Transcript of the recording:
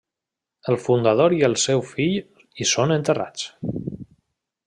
El fundador i el seu fill hi són enterrats.